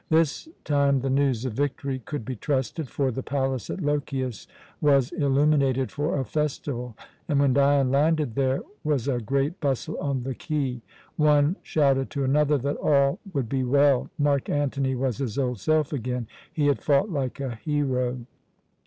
This time the news of victory could be trusted, for the palace at Lochias was illuminated for a festival and when Dion landed there was a great bustle on the quay. One shouted to another that all would be well. Mark Antony was his old self again. He had fought like a hero.